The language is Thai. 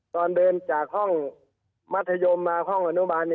ตอนเดินจากห้องมัธยมมาห้องอนุบาล